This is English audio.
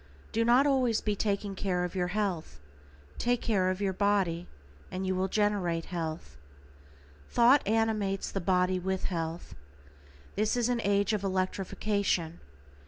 Do not always be taking care of your health, take care of your body and you will generate health. Thought animates the body with health. This is an age of electrification.